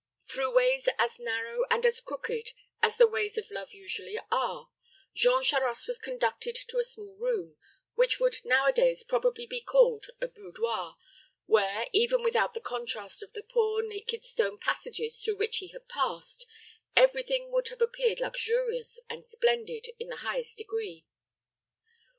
Through ways as narrow and as crooked as the ways of love usually are, Jean Charost was conducted to a small room, which would nowadays probably be called a boudoir, where, even without the contrast of the poor, naked stone passages through which he had passed, every thing would have appeared luxurious and splendid in the highest degree.